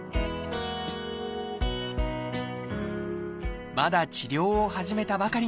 まだ治療を始めたばかりの山田さん。